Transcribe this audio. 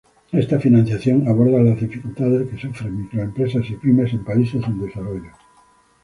Esta financiación aborda las dificultades que sufren microempresas y pymes en países en desarrollo.